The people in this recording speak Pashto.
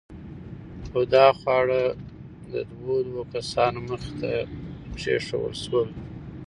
خو دا خواړه د دوو دوو کسانو مخې ته کېښوول شول.